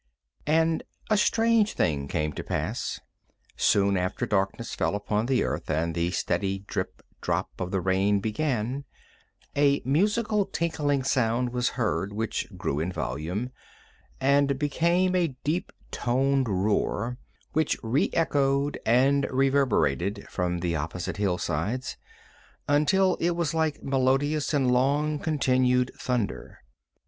And a strange thing came to pass. Soon after darkness fell upon the earth and the steady drip drop of the rain began, a musical tinkling sound was heard which grew in volume, and became a deep toned roar, which reechoed and reverberated from the opposite hillsides until it was like melodious and long continued thunder.